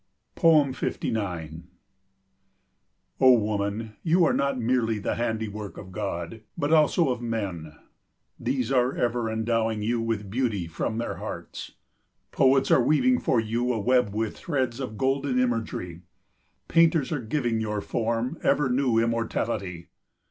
59 O woman, you are not merely the handiwork of God, but also of men; these are ever endowing you with beauty from their hearts. Poets are weaving for you a web with threads of golden imagery; painters are giving your form ever new immortality.